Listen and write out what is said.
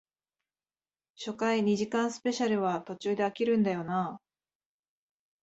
初回二時間スペシャルは途中で飽きるんだよなあ